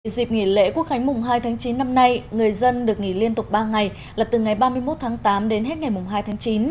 dịp nghỉ lễ quốc khánh mùng hai tháng chín năm nay người dân được nghỉ liên tục ba ngày là từ ngày ba mươi một tháng tám đến hết ngày mùng hai tháng chín